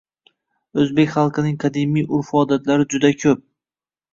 Oʻzbek xalqining qadimiy urf-odatlari juda koʻp